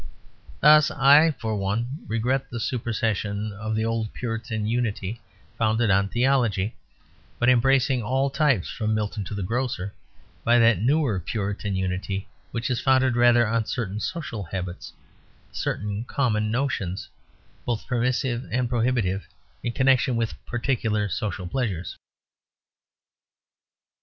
Thus I, for one, regret the supersession of the old Puritan unity, founded on theology, but embracing all types from Milton to the grocer, by that newer Puritan unity which is founded rather on certain social habits, certain common notions, both permissive and prohibitive, in connection with Particular social pleasures.